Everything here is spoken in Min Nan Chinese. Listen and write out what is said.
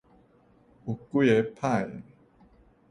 有幾个歹的